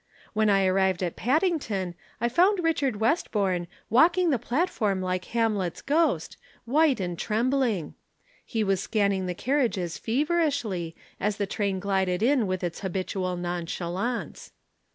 When I arrived at Paddington I found Richard Westbourne walking the platform like Hamlet's ghost, white and trembling. He was scanning the carriages feverishly, as the train glided in with its habitual nonchalance.